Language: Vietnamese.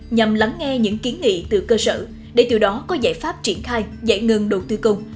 nhằm lắng nghe những kiến nghị từ cơ sở để từ đó có giải pháp triển khai giải ngân đầu tư công